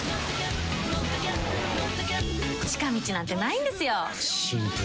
近道なんてないんですよ。